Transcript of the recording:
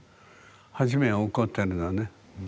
初めは怒ってるのね。